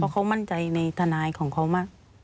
เขามั่นใจในทนายของเขามาก